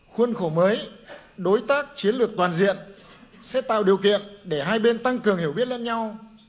khuôn khổ mới đối tác chiến lược toàn diện sẽ tạo điều kiện để hai bên tăng cường hiểu biết lẫn nhau